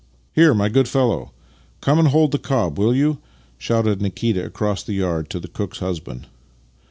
" Here, my good fellow! Come and hold the cob, will 3'ou? " shouted Nikita across the yard to the cook's husband.